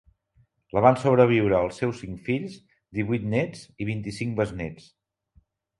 La van sobreviure els seus cinc fills, divuit nets i vint-i-cinc besnets.